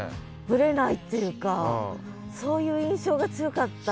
ぶれないっていうかそういう印象が強かった。